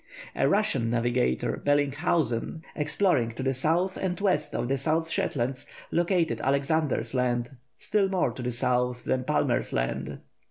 A Russian navigator, Bellinghausen, exploring to the south and west of the South Shetlands, located Alexander's Land, still more to the south than Palmer's Land.